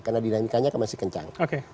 karena dinamikanya masih kencang